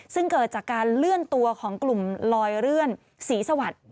ซึ่งเกิดจากการเลื่อนตัวของกลุ่มลอยเลื่อนศรีสวัสดิ์